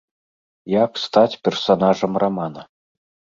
Як стаць персанажам рамана?